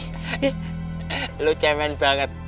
pasti lu ngajakin juga karena lu cemen banget ya